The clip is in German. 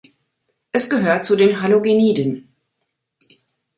Es gehört zu den Halogeniden.